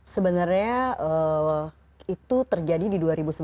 sebenarnya itu terjadi di dua ribu sebelas